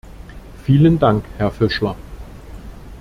Vielen Dank, Herr Fischler.